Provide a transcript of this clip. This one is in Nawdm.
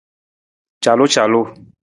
Calucalu.